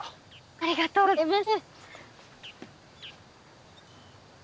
ありがとうございます。